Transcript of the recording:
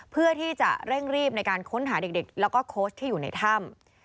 เพื่อที่จะเร่งรีบในการค้นหาเด็กแล้วก็โค้ชที่อยู่ในถ้ำ